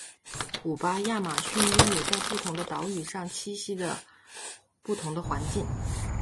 古巴亚马逊鹦鹉在不同的岛屿上栖息在不同的环境。